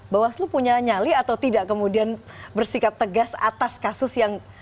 bawaslu punya nyali atau tidak kemudian bersikap tegas atas kasus yang